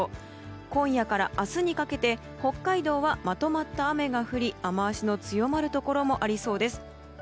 今夜から明日にかけて北海道はまとまった雨が降り、雨脚の強まるところもありそうです。